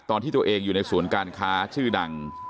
ตอนที่ตัวเองอยู่ในศูนย์การค้าชื่อดัง